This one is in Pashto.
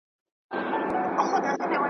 ور آزاد به وي مزلونه .